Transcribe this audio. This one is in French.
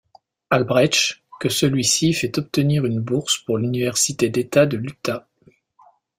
Albrecht que celui-ci lui fait obtenir une bourse pour l'université d'État de l'Utah.